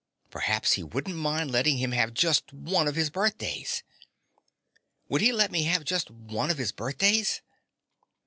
Perhaps he wouldn't mind letting him have just one of his birthdays. "Would he let me have just one of his birthdays?"